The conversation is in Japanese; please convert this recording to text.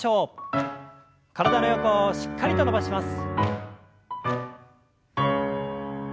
体の横をしっかりと伸ばします。